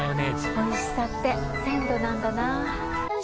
おいしさって鮮度なんだな。